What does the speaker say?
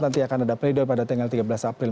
nanti akan ada pleido pada tanggal tiga belas april